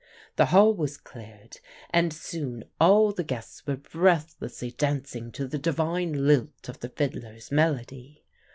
The hall was cleared, and soon all the guests were breathlessly dancing to the divine lilt of the fiddler's melody.